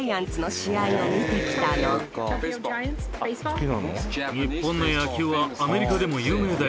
好きなの？